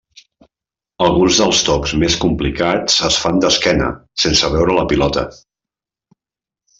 Alguns dels tocs més complicats es fan d'esquena, sense veure la pilota.